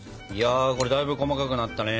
これだいぶ細かくなったね。